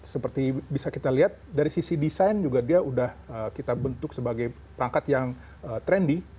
seperti bisa kita lihat dari sisi desain juga dia sudah kita bentuk sebagai perangkat yang trendy